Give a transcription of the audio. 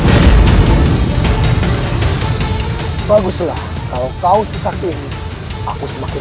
kini kesempatan buat kabur sangatlah tidak mungkin